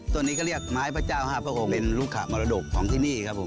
ต้นนี้ก็เรียกไม้พระเจ้าครับครับผมเป็นลูกขมรดกของที่นี่ครับผม